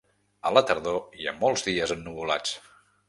A la tardor hi ha molts dies ennuvolats.